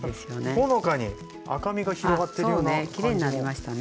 ほのかに赤みが広がってるような感じもしますね。